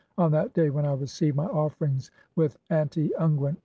on that day when I receive "my offerings with anti unguent.